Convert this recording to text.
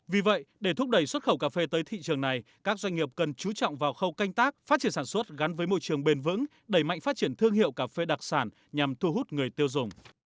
vì vậy để thúc đẩy xuất khẩu cà phê tới thị trường này các doanh nghiệp cần chú trọng vào khâu canh tác phát triển sản xuất gắn với môi trường bền vững đẩy mạnh phát triển thương hiệu cà phê đặc sản nhằm thu hút người tiêu dùng